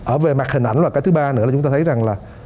ở về mặt hình ảnh và cái thứ ba nữa là chúng ta thấy rằng là